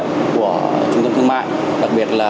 của trung tâm thương mại đặc biệt là